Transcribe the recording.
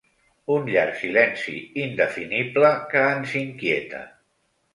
Un llarg silenci indefinible que ens inquieta.